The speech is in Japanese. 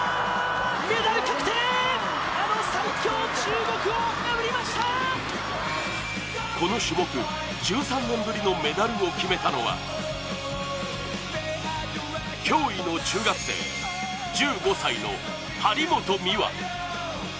メダル確定、あの最強中国をこの種目、１３年ぶりのメダルを決めたのは脅威の中学生、１５歳の張本美和。